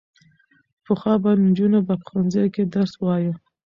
پخوا به نجونو په ښوونځیو کې درس وايه.